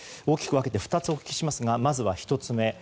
大きく分けて２つお聞きしますがまず１つ目。